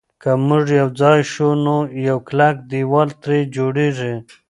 که موږ یو ځای شو نو یو کلک دېوال ترې جوړېږي.